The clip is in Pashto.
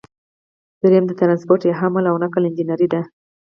دریم د ټرانسپورټ یا حمل او نقل انجنیری ده.